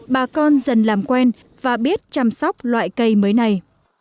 bà con dần làm quen và biết chăm sóc loại cây mới này